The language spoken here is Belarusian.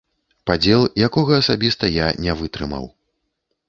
Падзел, якога асабіста я не вытрымаў.